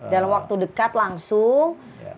dalam waktu dekat langsung